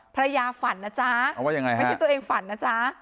ภรรยาฝันนะจ๊ะไม่ใช่ตัวเองฝันนะจ๊ะ